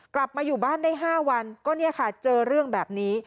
กลับมาอยู่บ้านได้๕วันก็เนี่ยค่ะเจอเรื่องแบบนี้